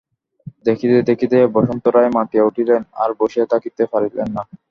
দেখিতে দেখিতে বসন্ত রায় মাতিয়া উঠিলেন আর বসিয়া থাকিতে পারিলেন না।